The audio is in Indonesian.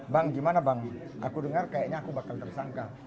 bang gimana bang aku dengar kayaknya aku bakal tersangka